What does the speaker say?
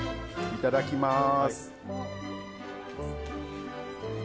いただきます！